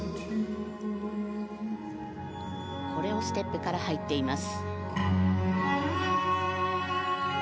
コレオステップから入っています。